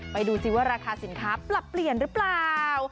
ดูสิว่าราคาสินค้าปรับเปลี่ยนหรือเปล่า